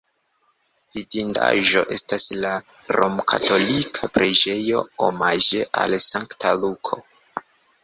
Vidindaĵo estas la romkatolika preĝejo omaĝe al Sankta Luko.